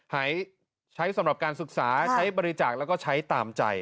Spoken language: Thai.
ใช้สำหรับการศึกษาใช้บริจาคแล้วก็ใช้ตามใจ